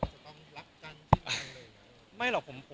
พอถูกจับตามองแล้วจะต้องรักกันที่มันเลยนะ